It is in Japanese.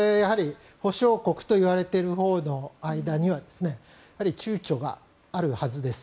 保証国といわれているほうの間には躊躇があるはずです。